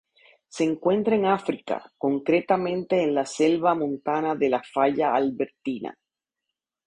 Se encuentra en África, concretamente en la Selva montana de la falla Albertina.